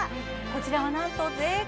こちらはなんと安い！